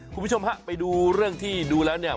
คุณผู้ชมฮะไปดูเรื่องที่ดูแล้วเนี่ย